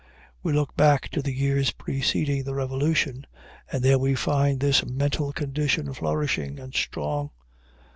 We look back to the years preceding the revolution, and there we find this mental condition flourishing and strong.